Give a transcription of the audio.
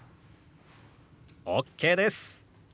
ＯＫです！